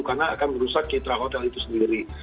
karena akan merusak keterangan hotel itu sendiri